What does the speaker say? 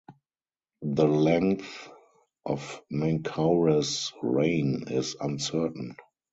The length of Menkaure's reign is uncertain.